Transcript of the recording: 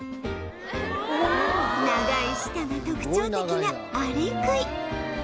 長い舌が特徴的なアリクイ